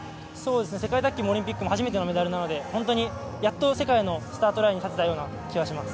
世界卓球もオリンピックも初めてのメダルなのでやっと世界のスタートラインに立てたような気がします。